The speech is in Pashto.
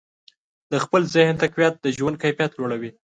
د خپل ذهن تقویت د ژوند کیفیت لوړوي.